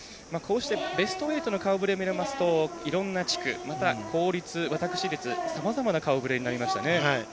ベスト８の顔ぶれを見ますといろんな地区、公立さまざまな顔ぶれになりましたね。